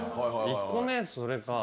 １個目それか。